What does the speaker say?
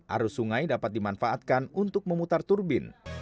arus sungai dapat dimanfaatkan untuk memutar turbin